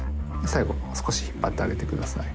最後少し引っ張ってあげてください。